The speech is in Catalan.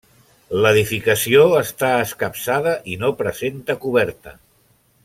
L'edificació està escapçada i no presenta coberta.